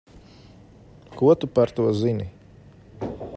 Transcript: Ko tu par to zini?